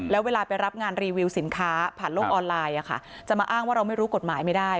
แล้วเวลาไปรับงานรีวิวสินค้าผ่านโลกออนไลน์จะมาอ้างว่าเราไม่รู้กฎหมายไม่ได้